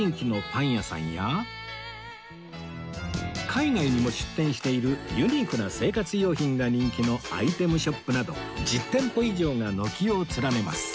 海外にも出店しているユニークな生活用品が人気のアイテムショップなど１０店舗以上が軒を連ねます